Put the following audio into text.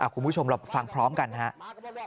คุณผู้ชมเราฟังพร้อมกันครับ